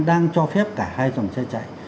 đang cho phép cả hai dòng xe chạy